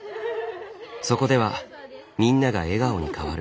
そこではみんなが笑顔に変わる。